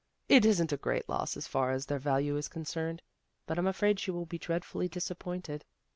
" It isn't a great loss as far as their value is concerned, but I'm afraid she will be dreadfully disappointed."